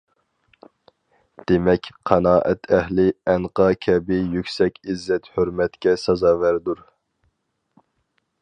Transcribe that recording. دېمەك، قانائەت ئەھلى ئەنقا كەبى يۈكسەك ئىززەت-ھۆرمەتكە سازاۋەردۇر.